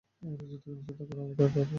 আমাদের যতক্ষণ ইচ্ছা, এখানে থাকার অধিকার আছে।